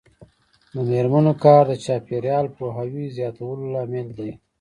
د میرمنو کار د چاپیریال پوهاوي زیاتولو لامل دی.